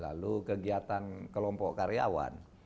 lalu kegiatan kelompok karyawan